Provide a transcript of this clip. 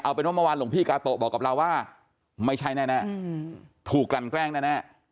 เอาเป็นว่าเมื่อวานหลวงพี่กาโตะบอกกับเราว่าไม่ใช่แน่ถูกกลั่นแกล้งแน่